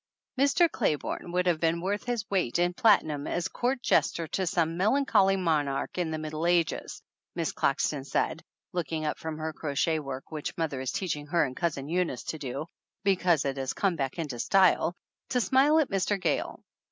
"Mr. Clayborne would have been worth his weight in platinum as court jester to some mel ancholy monarch in the middle ages," Miss Clax ton said, looking up from her crochet work which mother is teaching her and Cousin Eunice to do, because it has come back into style, to smile at Mr. Gayle.